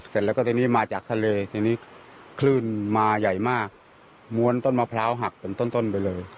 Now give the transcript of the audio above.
เสร็จแล้วก็ทีนี้มาจากทะเลทีนี้คลื่นมาใหญ่มากม้วนต้นมะพร้าวหักเป็นต้นไปเลย